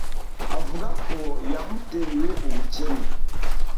Avuga ko yamuteye ubukene,